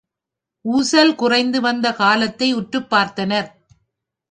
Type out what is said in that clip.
ஊசல் குறைந்து வந்த காலத்தை உற்றுப்பார்த்தனர்.